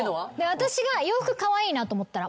私が洋服カワイイなと思ったら。